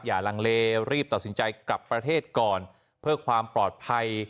ลังเลรีบตัดสินใจกลับประเทศก่อนเพื่อความปลอดภัย